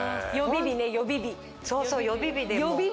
そうそう予備日。